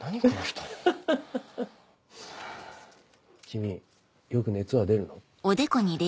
君よく熱は出るの？